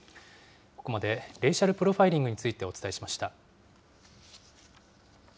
ここまでレイシャルプロファイリングについてお伝えしました。